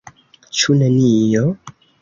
Ĉu nenio?